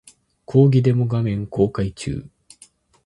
講義デモ画面公開中